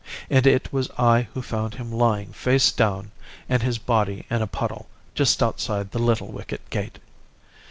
"And it was I who found him lying face down and his body in a puddle, just outside the little wicket gate.